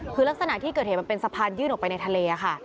คือลักษณะที่เกิดเหตุมันเป็นสะพานยื่นออกไปในทะเลค่ะ